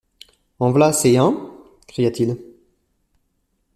En v’là assez, hein? cria-t-il.